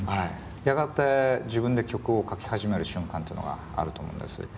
やがて自分で曲を書き始める瞬間っていうのがあると思うんです。